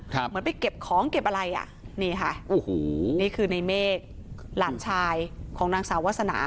เหมือนไปเก็บของเก็บอะไรอ่ะนี่ค่ะโอ้โหนี่คือในเมฆหลานชายของนางสาววาสนา